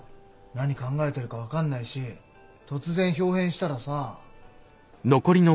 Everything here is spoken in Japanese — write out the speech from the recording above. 何考えてるか分かんないし突然豹変したらさあ。